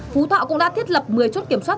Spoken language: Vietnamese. phú thọ cũng đã thiết lập một mươi chốt kiểm soát